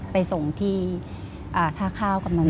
ไปส่งที่ท่าข้าวกับนอนสงฆ์